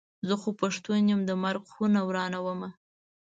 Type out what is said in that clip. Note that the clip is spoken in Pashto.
زه خو پښتون یم د مرک خونه ورانومه.